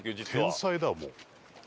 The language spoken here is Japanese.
天才だもう。